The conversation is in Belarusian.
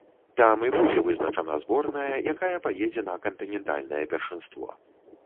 Там і будзе вызначана зборная, якая паедзе на кантынентальнае першынство.